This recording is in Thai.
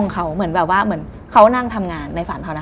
เขานั่งทำงานในฝันเขานะ